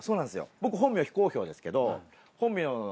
僕本名非公表ですけど。